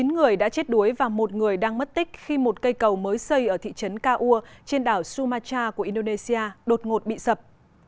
chín người đã chết đuối và một người đang mất tích khi một cây cầu mới xây ở thị trấn kaua trên đảo sumatra của indonesia đột ngột bị sập